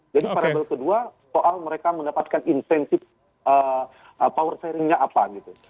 jadi parabel kedua soal mereka mendapatkan insentif powerfaringnya apa gitu